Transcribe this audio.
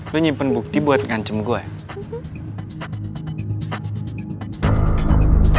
lo nyimpen bukti buat ngancem gue